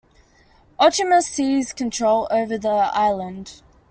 Ochimus seized control over the island.